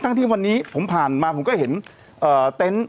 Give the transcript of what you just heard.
ที่วันนี้ผมผ่านมาผมก็เห็นเต็นต์